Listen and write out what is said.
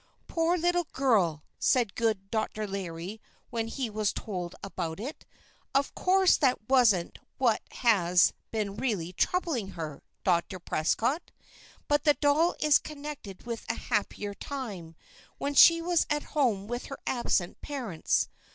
"Poor little girl," said good Dr. Larry when he was told about it. "Of course that wasn't what has been really troubling her, Dr. Prescott. But the doll is connected with a happier time, when she was at home with her absent parents.